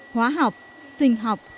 hóa học sinh học